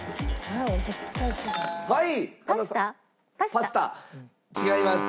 パスタ違います。